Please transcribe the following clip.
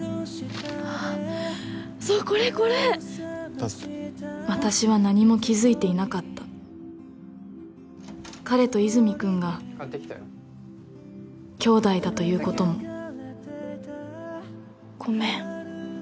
あっそうこれこれどうぞ私は何も気づいていなかった彼と和泉君が兄弟だということもごめん